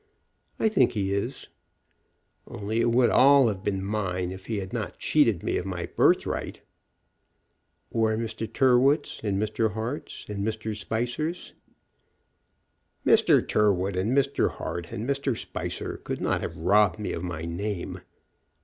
"I think he is." "Only it would all have been mine if he had not cheated me of my birthright." "Or Mr. Tyrrwhit's, and Mr. Hart's, and Mr. Spicer's." "Mr. Tyrrwhit, and Mr. Hart, and Mr. Spicer could not have robbed me of my name.